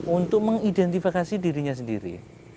untuk mengidentifikasi dirinya sendiri